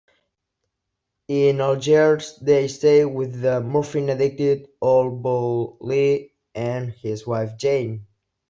In Algiers they stay with the morphine-addicted Old Bull Lee and his wife Jane.